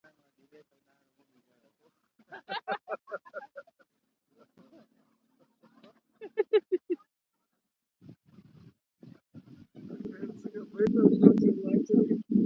قلمي خط د دوستۍ د تارونو پیاوړي کول دي.